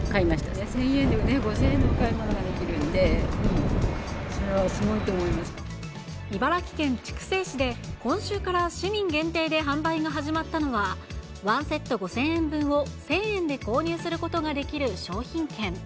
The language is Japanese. １０００円で５０００円分のお買い物ができるんで、それはすごい茨城県筑西市で、今週から市民限定で販売が始まったのは、１セット５０００円分を１０００円で購入することができる商品券。